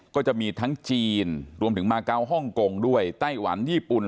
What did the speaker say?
ก็จะมีทั้งจีนรวมถึงมาเกาฮ่องกงด้วยไต้หวันญี่ปุ่น